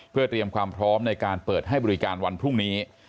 เพื่อเตรียมความพร้อมในการเปิดให้บริการวันพรุ่งนี้